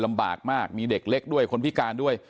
ลำบากมากมีเด็กเล็กด้วยคนพิการด้วย